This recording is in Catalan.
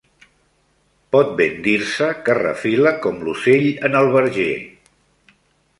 Pot ben dir-se que refila com l'ocell en el verger